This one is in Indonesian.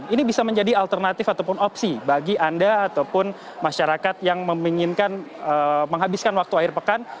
ini bisa menjadi alternatif ataupun opsi bagi anda ataupun masyarakat yang menghabiskan waktu akhir pekan